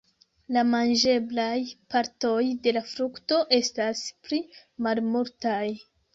La manĝeblaj partoj de la frukto estas pli malmultaj.